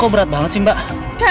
oh berat banget sih mbak